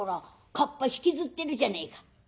かっぱ引きずってるじゃねえか。